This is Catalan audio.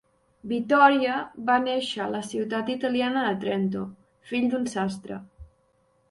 Vittoria va néixer a la ciutat italiana de Trento, fill d'un sastre.